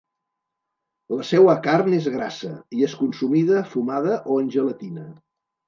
La seua carn és grassa i és consumida fumada o en gelatina.